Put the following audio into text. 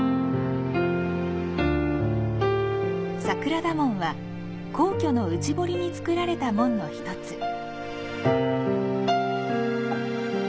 桜田門は皇居の内堀に造られた門の１つ。